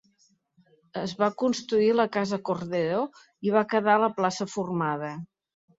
Es va construir la Casa Cordero i va quedar la plaça formada.